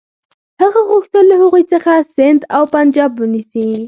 هغه غوښتل له هغوی څخه سند او پنجاب ونیسي.